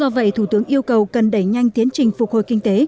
do vậy thủ tướng yêu cầu cần đẩy nhanh tiến trình phục hồi kinh tế